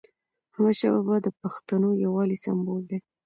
احمدشاه بابا د پښتنو یووالي سمبول دی.